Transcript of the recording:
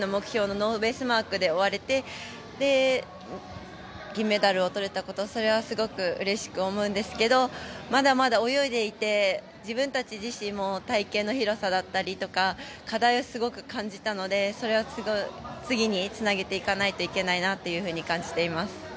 ノーベースマークで終われて銀メダルをとれたこと、それはすごくうれしく思うんですけどまだまだ泳いでいて自分たち自身も隊形の広さだったりとか課題はすごく感じたのでそれを次につなげていかなければいけないなというふうに感じています。